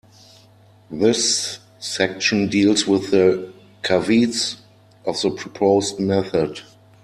This section deals with the caveats of the proposed method.